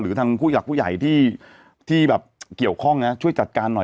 หรือทางผู้หลักผู้ใหญ่ที่เกี่ยวข้องนะใช้จัดการหน่อย